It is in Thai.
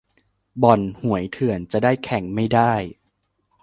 บ่อน-หวยเถื่อนจะได้แข่งไม่ได้